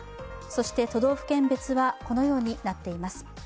都道府県別はこのようになっています。